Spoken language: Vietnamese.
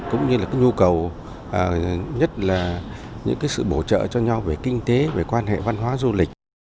cũng như là cái nhu cầu nhất là những cái sự bổ trợ cho nhau về kinh tế về quan hệ văn hóa du lịch